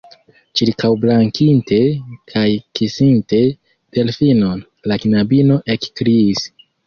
Ĉirkaŭbrakinte kaj kisinte Delfinon, la knabino ekkriis: